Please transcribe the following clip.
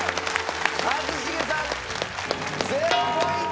一茂さん０ポイント！